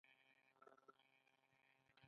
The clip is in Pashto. د کابل میوزیم بډایه خزانه لري